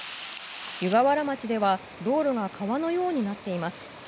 湯河原町では道路が川のようになっています。